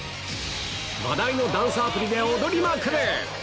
話題のダンスアプリで踊りまくる！